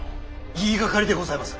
言いがかりでございます！